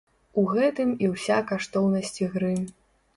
У гэтым і ўся каштоўнасць ігры.